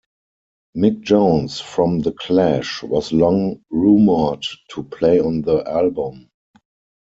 Mick Jones from The Clash was long rumored to play on the album.